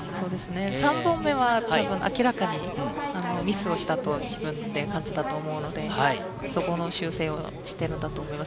３本目は明らかにミスをしたと自分で感じたと思うので、そこの修正をしてるんだと思います。